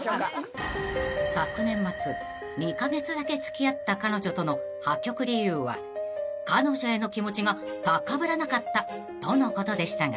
［昨年末２カ月だけ付き合った彼女との破局理由は彼女への気持ちが高ぶらなかったとのことでしたが］